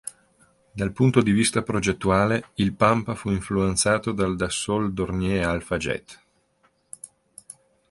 Dal punto di vista progettuale, il Pampa fu influenzato dal Dassault-Dornier Alpha Jet.